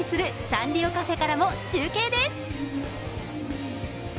サンリオカフェからも中継です。